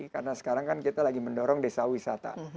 karena sekarang kan kita lagi mendorong desa wisata